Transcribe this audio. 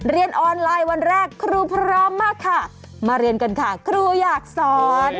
เรียนออนไลน์วันแรกครูพร้อมมากค่ะมาเรียนกันค่ะครูอยากสอน